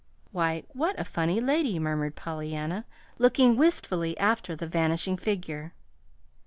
"Why, what a funny lady," murmured Pollyanna, looking wistfully after the vanishing figure.